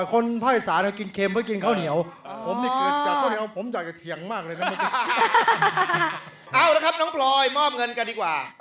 คนพระอาจารย์กินเค็มเพราะกินข้าเทียวอ่า